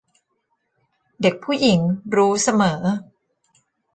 เด็กผู้หญิงรู้เสมอ